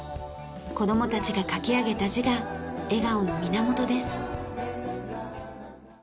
子どもたちが書き上げた字が笑顔の源です。